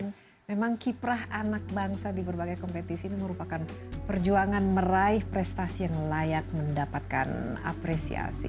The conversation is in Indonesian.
dan memang kiprah anak bangsa di berbagai kompetisi ini merupakan perjuangan meraih prestasi yang layak mendapatkan apresiasi